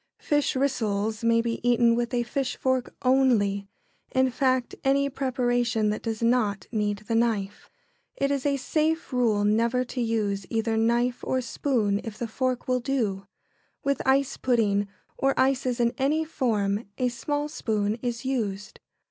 Fish rissoles may be eaten with a fish fork only in fact, any preparation that does not need the knife. [Sidenote: A safe rule.] It is a safe rule never to use either knife or spoon if the fork will do. With ice pudding or ices in any form a small spoon is used.